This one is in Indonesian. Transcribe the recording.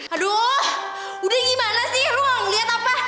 aduh udah gimana sih ruang ngeliat apa